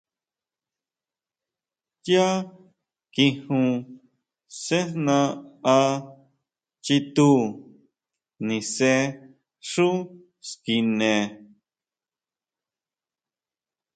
Yá kijun sejna á chitú, nise xú skine.